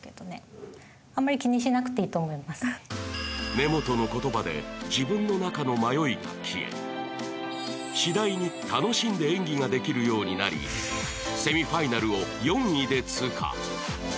根本の言葉で自分の中の迷いが消え、しだいに楽しんで演技ができるようになり、セミファイナルを４位で通過。